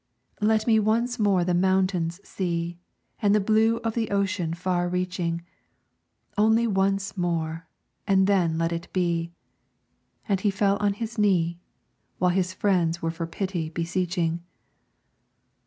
"Let me once more the mountains see, And the blue of the ocean far reaching, Only once more, and then let it be!" And he fell on his knee, While his friends were for pity beseeching.